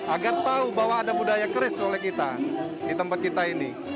agar tahu bahwa ada budaya keris oleh kita di tempat kita ini